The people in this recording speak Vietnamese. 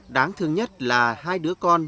đáng thương nhất là hai đứa con